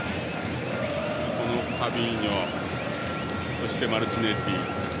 ファビーニョそしてマルチネッリ。